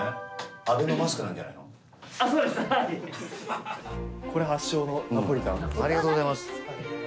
ありがとうございます。